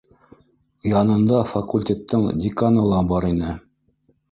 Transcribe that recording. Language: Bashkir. Янында факультеттың деканы ла бар ине.